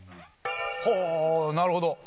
ほぉなるほど。